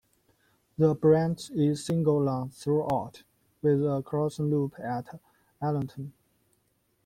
The branch is single line throughout, with a crossing loop at Allanton.